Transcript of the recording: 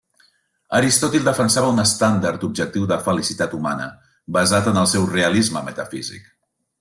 Aristòtil defensava un estàndard objectiu de felicitat humana basat en el seu realisme metafísic.